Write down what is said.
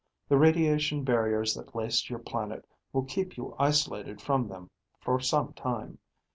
The radiation barriers that lace your planet will keep you isolated from them for some time.